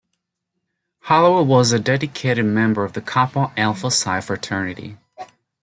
Hollowell was a dedicated member of Kappa Alpha Psi fraternity.